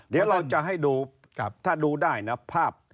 เดี๋ยวเราจะให้ดูถ้าดูได้นะภาพ